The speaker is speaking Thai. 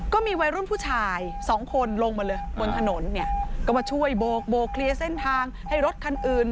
ก็มีวัยรุ่นผู้ชายสองคนลงมาเลยบนถนนเนี่ยก็มาช่วยโบกเคลียร์เส้นทางให้รถคันอื่น